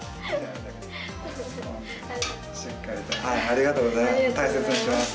ありがとうございます。